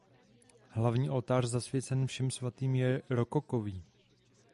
Hlavní oltář zasvěcený Všem svatým je rokokový.